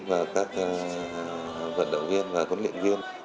và các vận động viên và hỗn luyện viên